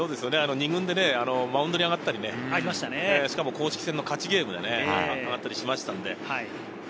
２軍でマウンドに上がったりも公式戦の勝ちゲームで上がったりもしましたのでね。